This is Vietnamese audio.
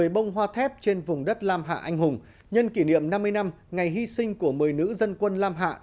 một mươi bông hoa thép trên vùng đất lam hạ anh hùng nhân kỷ niệm năm mươi năm ngày hy sinh của một mươi nữ dân quân lam hạ